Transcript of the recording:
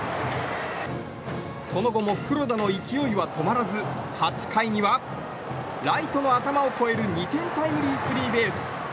その後も黒田の勢いは止まらず８回には、ライトの頭を越える２点タイムリースリーベース。